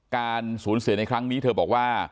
การสูญเสียในครั้งนี้เธอบอกว่า